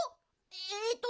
えっと